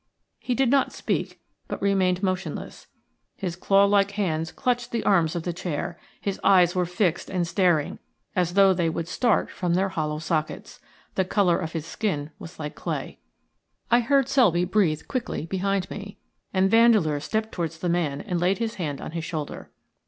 He did not speak, but remained motionless. His claw like hands clutched the arms of the chair, his eyes were fixed and staring, as though they would start from their hollow sockets, the colour of his skin was like clay. I heard Selby breathe quickly behind me, and Vandeleur stepped towards the man and laid his hand on his shoulder.